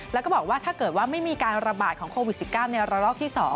แล้วก็บอกว่าถ้าเกิดว่าไม่มีการระบาดของโควิด๑๙ในระลอกที่๒